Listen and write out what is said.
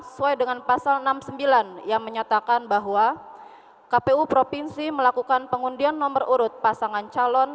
sesuai dengan pasal enam puluh sembilan yang menyatakan bahwa kpu provinsi melakukan pengundian nomor urut pasangan calon